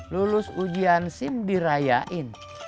lulus ujian sim dirayain